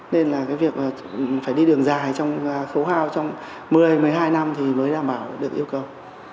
nên là cái việc phải đi đường dài trong khấu hao trong một mươi một mươi hai năm thì mới đảm bảo được yêu cầu